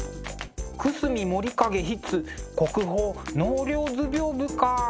久隅守景筆国宝「納涼図屏風」か。